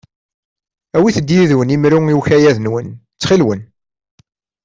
Awit-d yid-wen imru i ukayad-nwen, ttxil-wen.